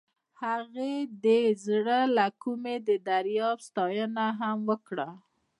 هغې د زړه له کومې د دریاب ستاینه هم وکړه.